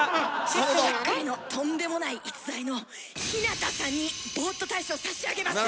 しゃっくりのとんでもない逸材のひなたさんにボーっと大賞差し上げます！